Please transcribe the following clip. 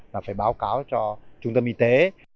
là phải báo cáo cho trung tâm y tế